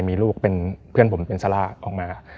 มีลูกเป็นเพื่อนผมเป็นซาร่าออกมา